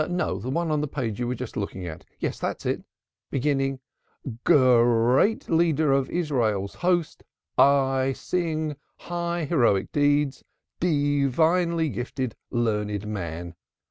No, the one on the page you were just looking at. Yes, that's it, beginning: "'Great leader of our Israel's host, I sing thy high heroic deeds, Divinely gifted learned man.'